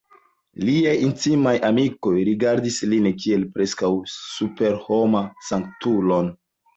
Liaj intimaj amikoj rigardis lin kiel preskaŭ superhoman sanktulon.